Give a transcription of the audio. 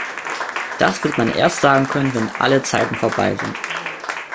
Das wird man erst sagen können, wenn alle Zeiten vorbei sind.